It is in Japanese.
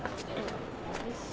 よし。